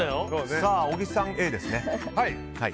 小木さん、Ａですね。